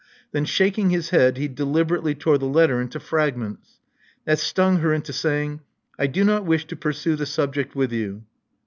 Then, shaking his head, he deliberately tore the letter into fragments. That stung her into saying: I do not wish to pursue the subject with you."